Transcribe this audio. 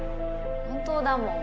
本当だもん。